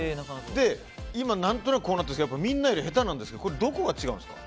今何となくこうなったんですけどみんなより下手なんですけどどこが違うんですか？